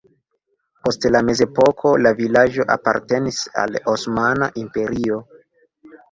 Post la mezepoko la vilaĝo apartenis al Osmana Imperio.